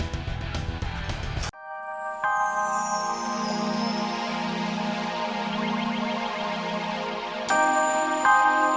aku yakin banget ini pasti gedungnya